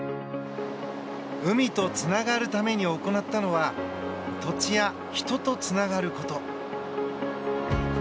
海とつながるために行ったのは土地や人とつながること。